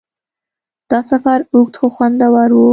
دا سفر اوږد خو خوندور و.